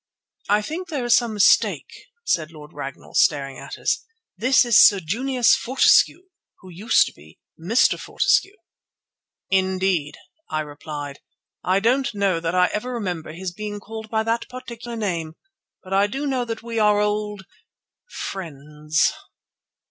"I think there is some mistake," said Lord Ragnall, staring at us. "This is Sir Junius Fortescue, who used to be Mr. Fortescue." "Indeed," I replied. "I don't know that I ever remember his being called by that particular name, but I do know that we are old—friends."